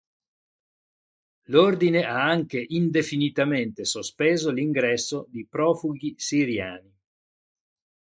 L'ordine ha anche indefinitamente sospeso l'ingresso di profughi siriani.